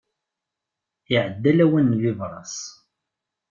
Iɛedda lawan n bibras.